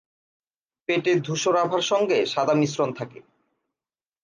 পেটে ধূসর আভার সঙ্গে সাদা মিশ্রণ থাকে।